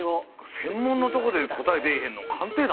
専門のとこで答え出えへんの「鑑定団」